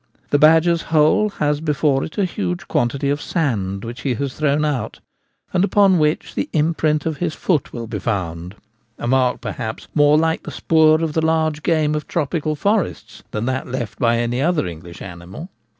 The badger's hole has before it a huge quantity of sand, which he has thrown out, and upon which the imprint of his foot will be found, a mark, perhaps, more like the spoor of the large game of tropical forests than that left by any other English animal.